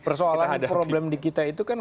persoalan problem di kita itu kan